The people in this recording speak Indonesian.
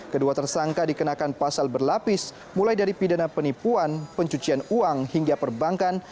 kedua tersangka dikenakan pasal berlapis mulai dari pidana penipuan pencucian uang hingga perbankan